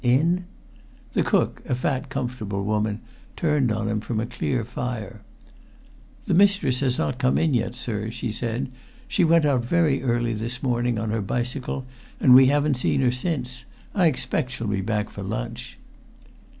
"In?" The cook, a fat, comfortable woman, turned on him from a clear fire. "The mistress has not come in yet, sir," she said. "She went out very early this morning on her bicycle, and we haven't seen her since. I expect she'll be back for lunch."